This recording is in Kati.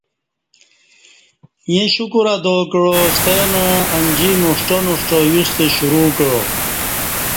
ییں شکر ادا کعا ستمع انجی نُوݜٹہ نُوݜٹہ یوستہ شروع کعا